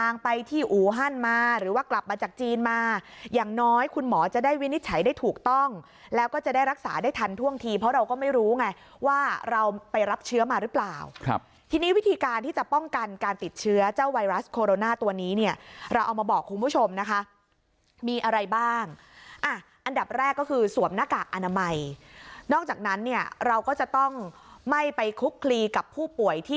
ไปที่อูฮันมาหรือว่ากลับมาจากจีนมาอย่างน้อยคุณหมอจะได้วินิจฉัยได้ถูกต้องแล้วก็จะได้รักษาได้ทันท่วงทีเพราะเราก็ไม่รู้ไงว่าเราไปรับเชื้อมาหรือเปล่าครับทีนี้วิธีการที่จะป้องกันการติดเชื้อเจ้าไวรัสโคโรนาตัวนี้เนี่ยเราเอามาบอกคุณผู้ชมนะคะมีอะไรบ้างอ่ะอันดับแรกก็คือสวมหน้ากากอนามัยนอกจากนั้นเนี่ยเราก็จะต้องไม่ไปคุกคลีกับผู้ป่วยที่